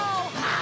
あ！